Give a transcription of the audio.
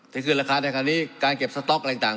ขึ้นราคาในคราวนี้การเก็บสต๊อกอะไรต่าง